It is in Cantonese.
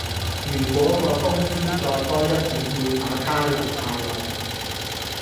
如果我工資再多一點會把她留下來